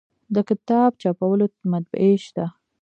د کتاب چاپولو مطبعې شته